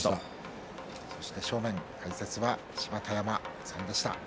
そして正面は解説は芝田山さんでした。